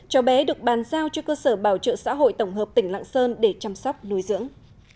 cháu bé được bàn giao cho cơ sở bảo trợ xã hội tổng hợp tỉnh lạng sơn để chăm sóc nuôi dưỡng